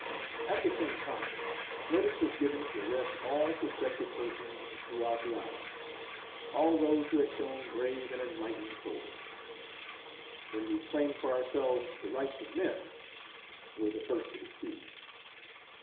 "At the same time, notice was given to arrest all suspected persons throughout the island. All those who had shown brave and enlightened souls; when we claimed for ourselves the rights of men, were the first to be seized.